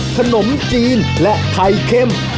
ขนมจีนและไข่เค็ม